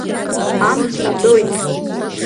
Амц аҳәоит.